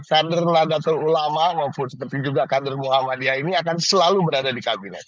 kader nadatul ulama maupun seperti juga kader muhammadiyah ini akan selalu berada di kabinet